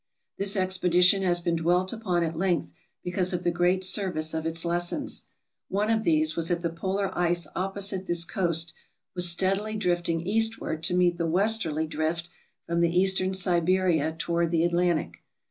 This expedition has been dwelt upon at length because of the great service of its lessons. One of these was that the polar ice opposite this coast was steadily drifting eastward to meet the westerly drift from the eastern Siberia toward the Atlantic.